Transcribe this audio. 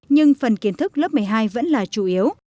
nhưng phần kiến thức lớp một mươi hai vẫn là chủ yếu